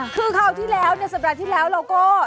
คือคราวสัปดาห์ที่แล้วเราก็